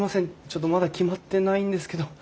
ちょっとまだ決まってないんですけど。